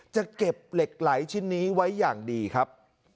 จะเก็บเหล็กไหลชิ้นนี้ไว้อย่างดีครับ